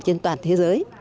trên toàn thế giới